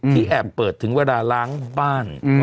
แอบเปิดถึงเวลาล้างบ้าน